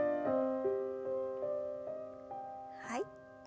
はい。